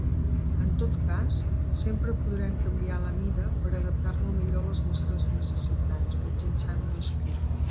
En tot cas, sempre podrem canviar la mida per adaptar-lo millor a les nostres necessitats, mitjançant un script.